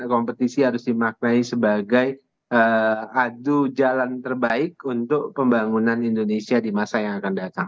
kompetisi harus dimaknai sebagai adu jalan terbaik untuk pembangunan indonesia di masa yang akan datang